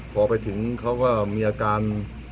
พอไปถึงเขาก็มีอาการ